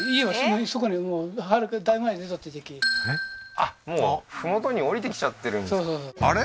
あっもう麓に下りてきちゃってるんですかあれ？